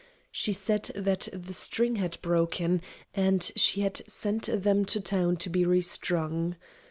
She said that the string had broken, and she had sent them to town to be re strung.